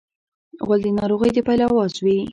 غول د ناروغۍ د پیل اواز وي.